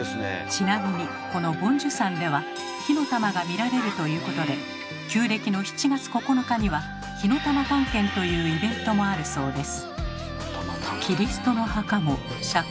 ちなみにこの梵珠山では火の玉が見られるということで旧暦の７月９日には「火の玉探検」というイベントもあるそうです。